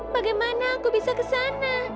bagaimana aku bisa kesana